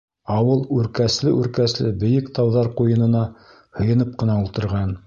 Ауыл үркәсле-үркәсле бейек тауҙар ҡуйынына һыйынып ҡына ултырған.